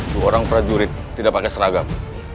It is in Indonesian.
dua orang prajurit tidak pakai seragam